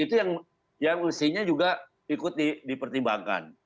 itu yang mestinya juga ikut dipertimbangkan